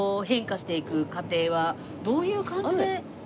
どういう感じで？